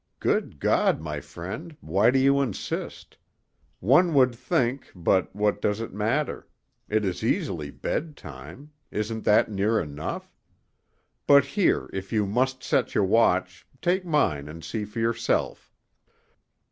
Good God! my friend, why do you insist? One would think—but what does it matter; it is easily bedtime—isn't that near enough? But, here, if you must set your watch, take mine and see for yourself."